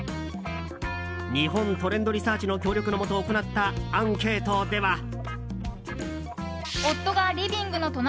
日本トレンドリサーチの協力のもと行ったアンケートでは。